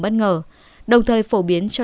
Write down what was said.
bất ngờ đồng thời phổ biến cho